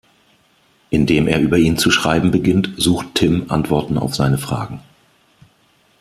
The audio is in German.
Indem er über ihn zu schreiben beginnt, sucht Timm Antworten auf seine Fragen.